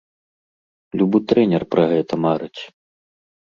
Любы трэнер пра гэта марыць.